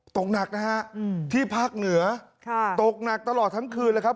ตกหนักนะฮะที่ภาคเหนือตกหนักตลอดทั้งคืนเลยครับ